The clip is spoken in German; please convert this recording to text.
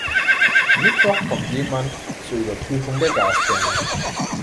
Mittwoch kommt jemand zur Überprüfung der Gastherme.